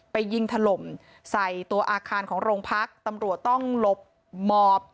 ยิงถล่มใส่ตัวอาคารของโรงพักตำรวจต้องหลบหมอบ